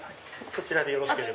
そちらでよろしければ。